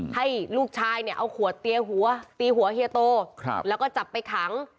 ให้ลูกชายเนี่ยเอาขวดตีหัวตีหัวเฮียโตแล้วก็จับไปขัง